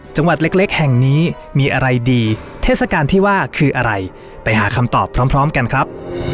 จังหวัดเล็กแห่งนี้มีอะไรดีเทศกาลที่ว่าคืออะไรไปหาคำตอบพร้อมกันครับ